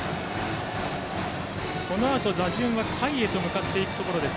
このあと打順は下位へと向かっていきます